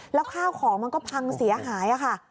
แล้วข้าวของมันก็พังเสียหายค่ะ